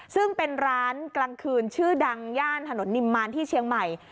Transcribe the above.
ซึ่งเป็นร้านกลางคืนชื่อดังย่านถนนนิมมารที่เชียงใหม่